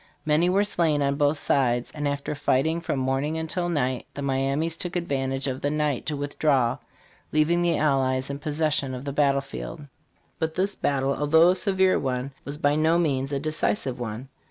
Many were slain on both sides; and after fighting from morning until night, the Miamis took advantage of the night to withdraw, leaving the allies in possession of the battle field. But this battle, although a severe one, was by no means a decisive one.